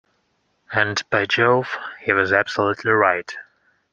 And, by Jove, he was absolutely right.